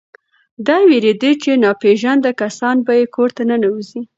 دی وېرېده چې ناپېژانده کسان به یې کور ته ننوځي.